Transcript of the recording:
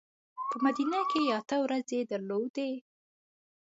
په مدینه کې اته ورځې درلودې.